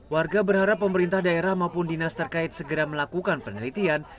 warga berharap pemerintah daerah maupun dinas terkait segera melakukan penelitian